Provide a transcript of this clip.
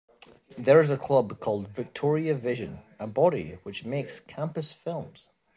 There is a club called "Victoria Vision" a body which makes campus films.